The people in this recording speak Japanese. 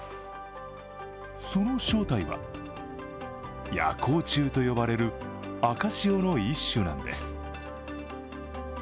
その正体は、夜光虫と呼ばれる赤潮の一種なんです。